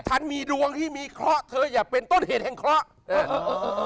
ฉันมีดวงที่มีเคราะห์เธออย่าเป็นต้นเหตุแห่งเคราะห์นะฮะ